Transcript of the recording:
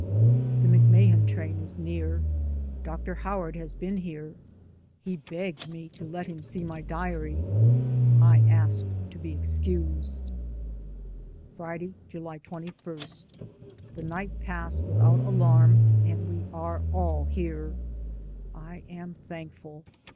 The McMahan train is near. Dr. Howard has been here; he begged me to let him see my diary. I asked to be excused. l62 DAYS ON THE ROAD. Friday, July 21. The night passed without alarm, and we are all here; I am thankful.